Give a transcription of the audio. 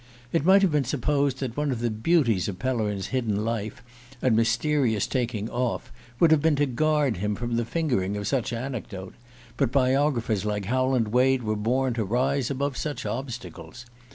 It might have been supposed that one of the beauties of Pellerin's hidden life and mysterious taking off would have been to guard him from the fingering of anecdote; but biographers like Howland Wade were born to rise above such obstacles.